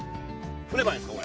振ればいいんですか？